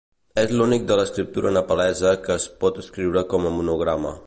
És l'únic de l'escriptura nepalesa que es pot escriure com a monograma.